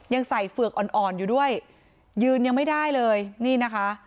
ยังใส่เฝือกอ่อนอ่อนอยู่ด้วยยืนยังไม่ได้เลยนี่นะคะ